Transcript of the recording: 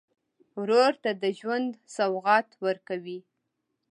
ورور ته د ژوند سوغات ورکوې.